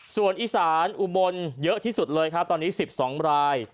ส่วนอีสานอุบลเยอะที่สุดเลยครับตอนนี้๑๒ราย